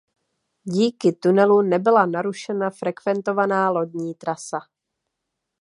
Díky tunelu nebyla narušena frekventovaná lodní trasa.